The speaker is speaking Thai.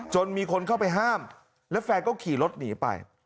มีคนเข้าไปห้ามแล้วแฟนก็ขี่รถหนีไป